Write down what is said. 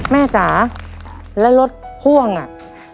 แม่จ๋าแล้วรถพ่วงอะ